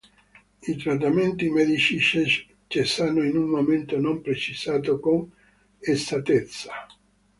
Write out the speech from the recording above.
I trattamenti medici cessano in un momento non precisato con esattezza.